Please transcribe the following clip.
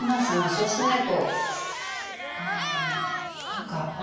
そうしないとうん何かああ